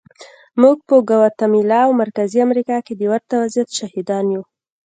موږ په ګواتیمالا او مرکزي امریکا کې د ورته وضعیت شاهدان یو.